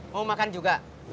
mau makan juga